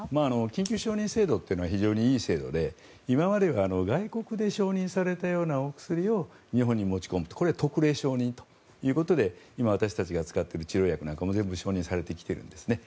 緊急承認制度というのは非常にいい制度で今までは外国で承認されたようなお薬を日本に持ち込むこれは特例承認ということで今、私たちが使っている治療薬も全部承認されてきているんですね。